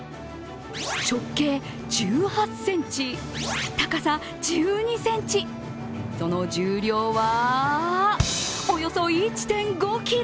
直径１８ｃｍ、高さ１２ｃｍその重量はおよそ１．５ｋｇ。